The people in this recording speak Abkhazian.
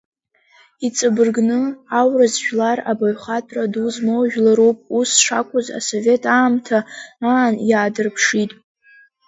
Иҵабыргны, аурыс жәлар абаҩхатәра ду змоу жәларуп ус шакәыз асовет аамҭа аан иаадырԥшит.